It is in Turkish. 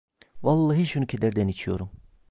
Vallahi şunu kederden içiyorum.